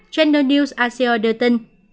channel news asia đưa tin